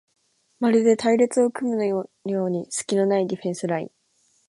まるで隊列を組むようにすきのないディフェンスライン